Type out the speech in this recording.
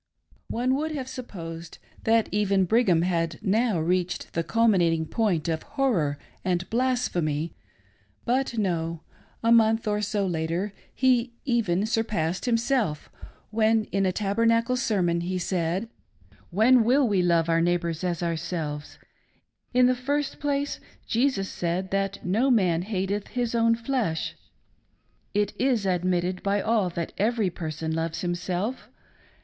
One would have supposed that even Brigham had now reached the culminating point of horror and blasphemy, But no ;— a month or so later he even surpassed himself when in a Tabernacle sermon he said :" When will we love our neighbors as ourselves ? In the first place, Jesus said that no man hateth his own flesh. It is admitted by all that every person loves himself.